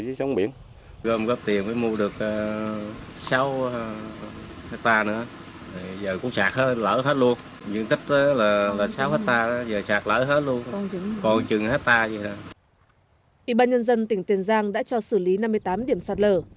ủy ban nhân dân tỉnh tiền giang đã cho xử lý năm mươi tám điểm sạt lở